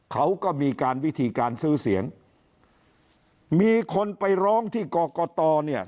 เขาก็มีการวิธีการซื้อเสียงมีคนไปร้องที่กรกตเนี่ย